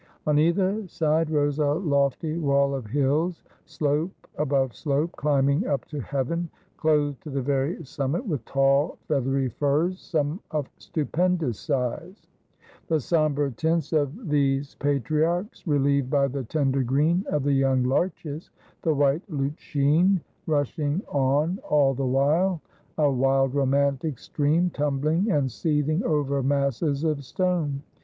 On either side rose a lofty wall of hills, slope above slope, climbing up to heaven, clothed to the very summit with tall feathery firs, some of stupendous size, the sombre tints of these patriarchs re lieved by the tender green of the young larches ; the White Lutschine rushing on all the while, a wild romantic stream, tumbling and seething over masses of stone.